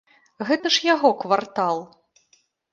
Гэта ж яго квартал.